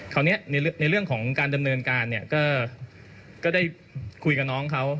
คราวนี้ในเรื่องของการดำเนินการเนี่ยก็ได้คุยกับน้องเขา